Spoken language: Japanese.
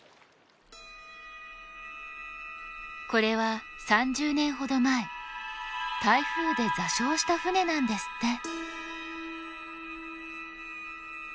これは３０年ほど前台風で座礁した船なんですって。